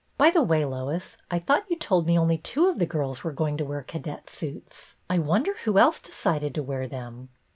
By the way, Lois, I thought you told me only two of the girls were going to wear cadet suits. I wonder who else decided to wear them."